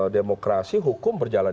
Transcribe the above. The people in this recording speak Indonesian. demokrasi hukum berjalan